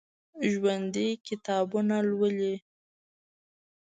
ژوندي کتابونه لولي